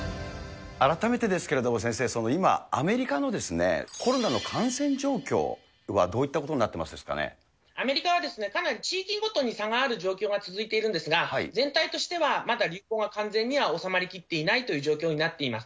改めてですけれども、先生、今、アメリカのコロナの感染状況はどういったことになってますですかアメリカはかなり地域ごとに差がある状況が続いてるんですが、全体としては、まだ流行が完全には収まりきっていないという状況になっています。